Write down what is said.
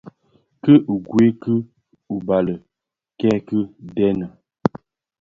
Ki ughèi di ubali kèki dheňi.